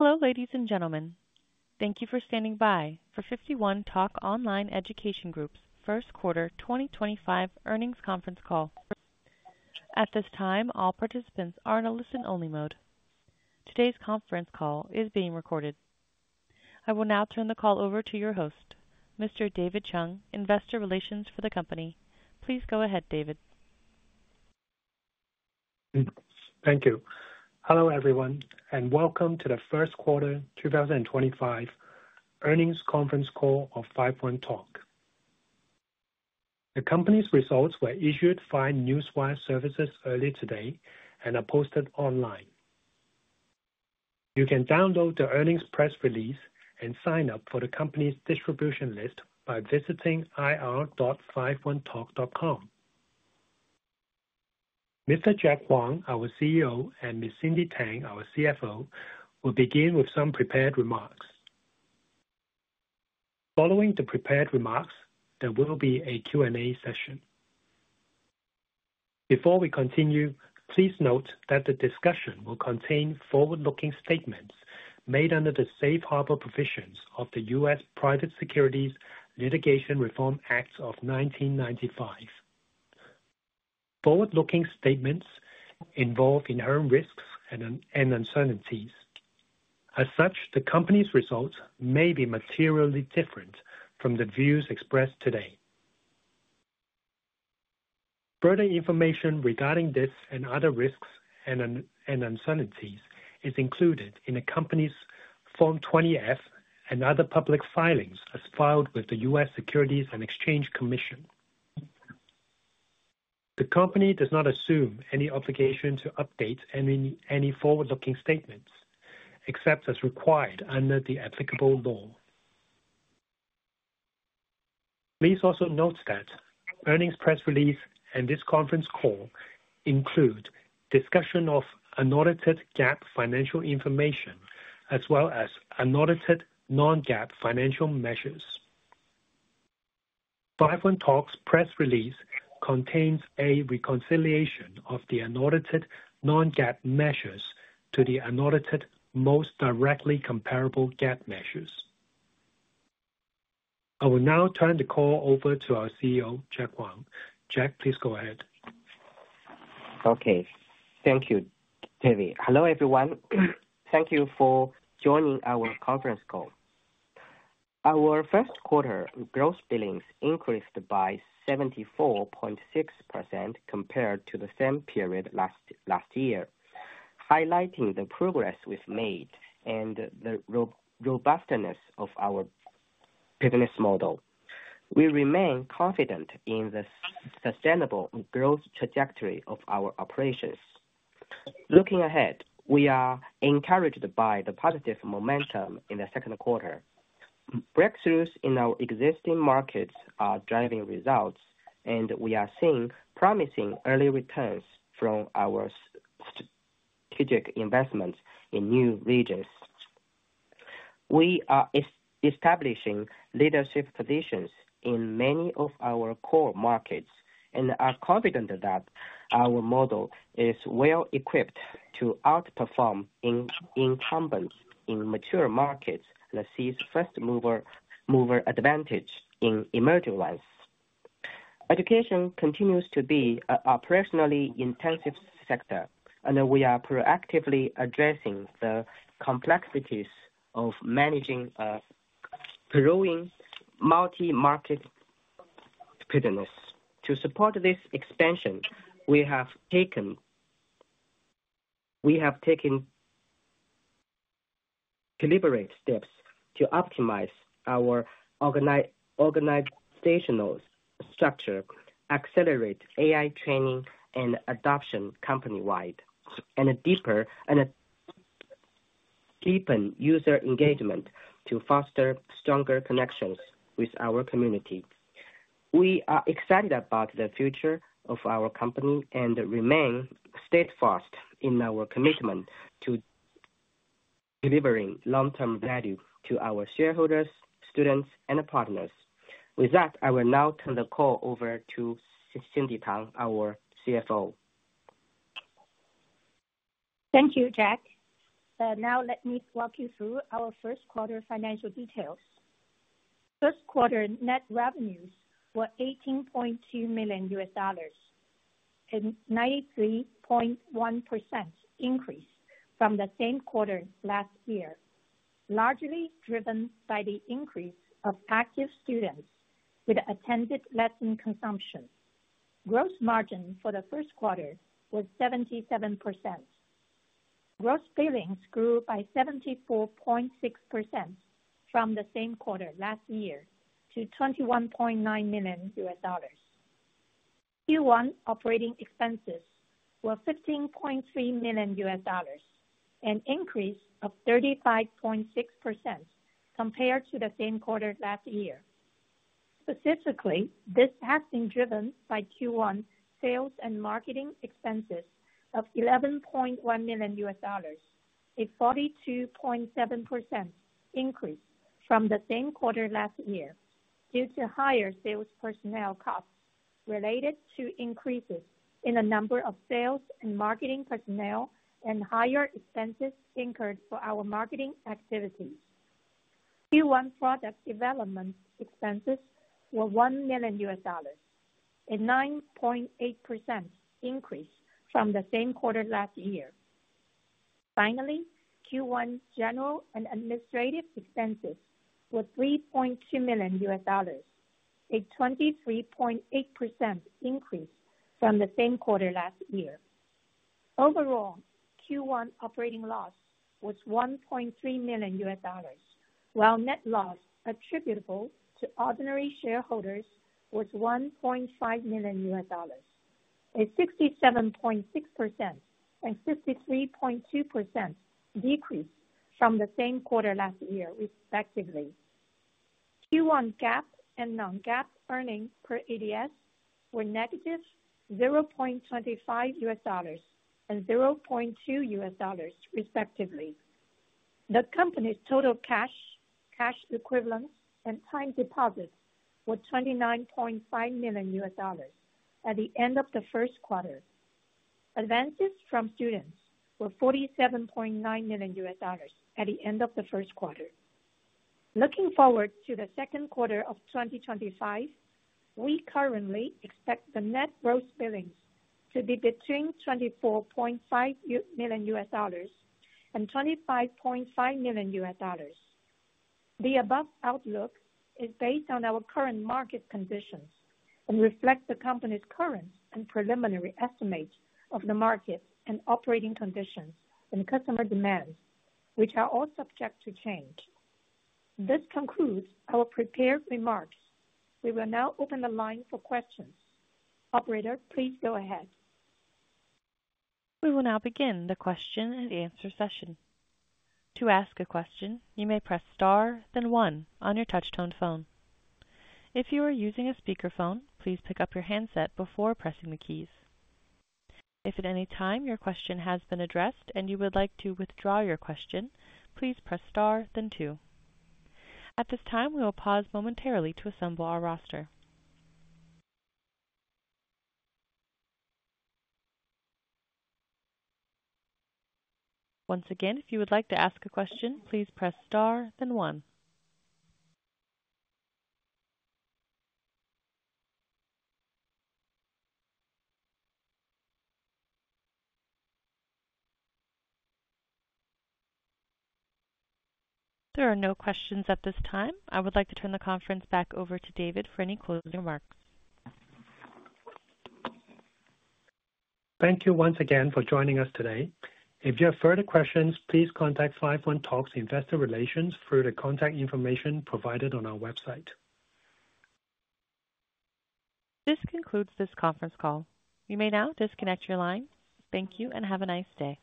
Hello, ladies and gentlemen. Thank you for standing by for 51Talk Online Education Group's first quarter 2025 earnings conference call. At this time, all participants are in a listen-only mode. Today's conference call is being recorded. I will now turn the call over to your host, Mr. David Chung, Investor Relations for the company. Please go ahead, David. Thank you. Hello, everyone, and welcome to the first quarter 2025 earnings conference call of 51Talk. The company's results were issued via NewsWire Services early today and are posted online. You can download the earnings press release and sign up for the company's distribution list by visiting ir.51talk.com. Mr. Jack Huang, our CEO, and Ms. Cindy Tang, our CFO, will begin with some prepared remarks. Following the prepared remarks, there will be a Q&A session. Before we continue, please note that the discussion will contain forward-looking statements made under the safe harbor provisions of the U.S. Private Securities Litigation Reform Act of 1995. Forward-looking statements involve inherent risks and uncertainties. As such, the company's results may be materially different from the views expressed today. Further information regarding this and other risks and uncertainties is included in the company's Form 20-F and other public filings as filed with the U.S. Securities and Exchange Commission. The company does not assume any obligation to update any forward-looking statements, except as required under the applicable law. Please also note that earnings press release and this conference call include discussion of unaudited GAAP financial information, as well as unaudited non-GAAP financial measures. 51Talk's press release contains a reconciliation of the unaudited non-GAAP measures to the unaudited most directly comparable GAAP measures. I will now turn the call over to our CEO, Jack Huang. Jack, please go ahead. Okay. Thank you, David. Hello, everyone. Thank you for joining our conference call. Our first quarter gross billings increased by 74.6% compared to the same period last year, highlighting the progress we've made and the robustness of our business model. We remain confident in the sustainable growth trajectory of our operations. Looking ahead, we are encouraged by the positive momentum in the second quarter. Breakthroughs in our existing markets are driving results, and we are seeing promising early returns from our strategic investments in new regions. We are establishing leadership positions in many of our core markets and are confident that our model is well-equipped to outperform incumbents in mature markets and seize first-mover advantage in emerging ones. Education continues to be an operationally intensive sector, and we are proactively addressing the complexities of managing a growing multi-market preparedness. To support this expansion, we have taken deliberate steps to optimize our organizational structure, accelerate AI training and adoption company-wide, and deepen user engagement to foster stronger connections with our community. We are excited about the future of our company and remain steadfast in our commitment to delivering long-term value to our shareholders, students, and partners. With that, I will now turn the call over to Cindy Tang, our CFO. Thank you, Jack. Now, let me walk you through our first quarter financial details. First quarter net revenues were $18.2 million, a 93.1% increase from the same quarter last year, largely driven by the increase of active students with attended lesson consumption. Gross margin for the first quarter was 77%. Gross billings grew by 74.6% from the same quarter last year to $21.9 million. Q1 operating expenses were $15.3 million, an increase of 35.6% compared to the same quarter last year. Specifically, this has been driven by Q1 sales and marketing expenses of $11.1 million, a 42.7% increase from the same quarter last year due to higher sales personnel costs related to increases in the number of sales and marketing personnel and higher expenses incurred for our marketing activities. Q1 product development expenses were $1 million, a 9.8% increase from the same quarter last year. Finally, Q1 general and administrative expenses were $3.2 million, a 23.8% increase from the same quarter last year. Overall, Q1 operating loss was $1.3 million, while net loss attributable to ordinary shareholders was $1.5 million, a 67.6% and 53.2% decrease from the same quarter last year, respectively. Q1 GAAP and non-GAAP earnings per ADS were negative $0.25 and $0.2, respectively. The company's total cash, cash equivalents, and time deposits were $29.5 million at the end of the first quarter. Advances from students were $47.9 million at the end of the first quarter. Looking forward to the second quarter of 2025, we currently expect the net gross billings to be between $24.5 million and $25.5 million. The above outlook is based on our current market conditions and reflects the company's current and preliminary estimates of the market and operating conditions and customer demands, which are all subject to change. This concludes our prepared remarks. We will now open the line for questions. Operator, please go ahead. We will now begin the question-and-answer session. To ask a question, you may press star, then one on your touch-tone phone. If you are using a speakerphone, please pick up your handset before pressing the keys. If at any time your question has been addressed and you would like to withdraw your question, please press star, then two. At this time, we will pause momentarily to assemble our roster. Once again, if you would like to ask a question, please press star, then one. There are no questions at this time. I would like to turn the conference back over to David for any closing remarks. Thank you once again for joining us today. If you have further questions, please contact 51Talk's Investor Relations through the contact information provided on our website. This concludes this conference call. You may now disconnect your line. Thank you and have a nice day.